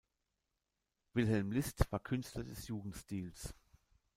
Wilhelm List war Künstler des Jugendstils.